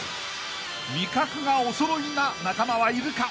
［味覚がおそろいな仲間はいるか］